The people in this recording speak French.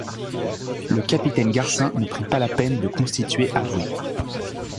Le capitaine Garcin ne prit pas la peine de constituer avoué.